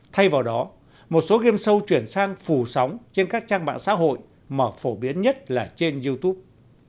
thay vào đó một số game show chuyển sang phù sóng trên các trang mạng xã hội mà phổ biến nhất là trên youtube